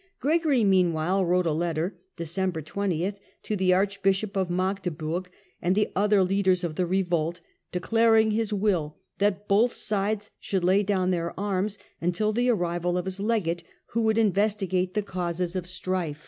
Gregory meanwhile wrote a letter (De cember^ 20) to the archbishop of Magdeburg and the other leaders of the revolt, declaring his will that both sides should lay down their arms until the arrival of his legate,, who would investigate the causes of strife.